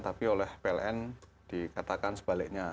tapi oleh pln dikatakan sebaliknya